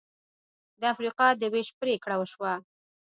د افریقا د وېش پرېکړه وشوه.